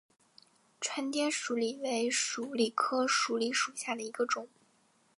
川滇鼠李为鼠李科鼠李属下的一个种。